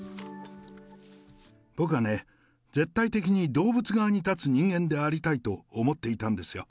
僕はね、絶対的に動物側に立つ人間でありたいと思っていたんですよ。